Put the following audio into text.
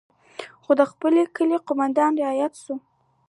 خو د خپل کلي قومندان راياد سو.